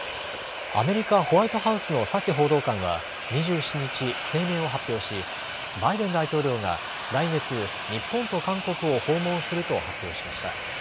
アメリカ・ホワイトハウスのサキ報道官は２７日、声明を発表しバイデン大統領が来月、日本と韓国を訪問すると発表しました。